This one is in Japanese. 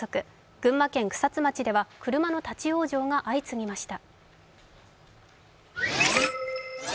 群馬県草津町では車の立往生が相次ぎました。